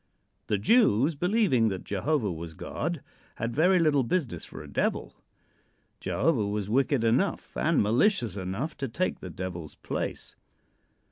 The Jews, believing that Jehovah was God, had very little business for a devil. Jehovah was wicked enough and malicious enough to take the Devil's place.